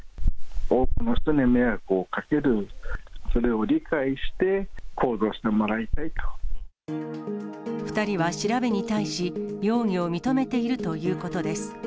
多くの人に迷惑をかける、それを２人は調べに対し、容疑を認めているということです。